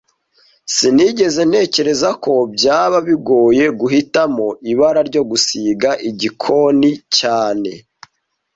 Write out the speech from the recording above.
Sinigeze ntekereza ko byaba bigoye guhitamo ibara ryo gusiga igikoni cyane